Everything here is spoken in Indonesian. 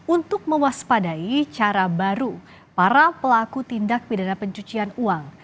untuk mewaspadai cara baru para pelaku tindak pidana pencucian uang